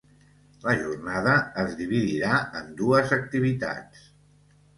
La jornada es dividirà en dues activitats.